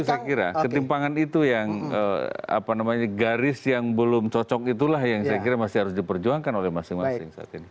saya kira ketimpangan itu yang garis yang belum cocok itulah yang saya kira masih harus diperjuangkan oleh masing masing saat ini